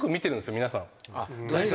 皆さんを。